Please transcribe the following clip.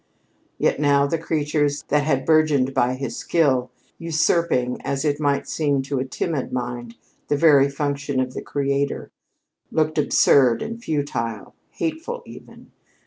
Yet now the creatures that he had burgeoned by his skill, usurping, as it might seem to a timid mind, the very function of the Creator, looked absurd and futile hateful even.